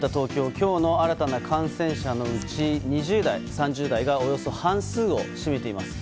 今日の新たな感染者のうち２０代、３０代がおよそ半数を占めています。